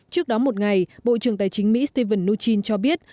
trước đó một ngày bộ trưởng tài chính mỹ stephen mnuchin cho biết